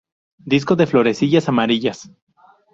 Disco de florecillas amarillas.